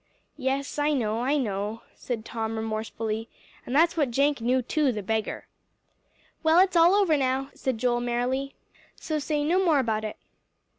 "Yes, I know I know," said Tom remorsefully, "and that's what Jenk knew, too, the beggar!" "Well, it's all over now," said Joel merrily, "so say no more about it."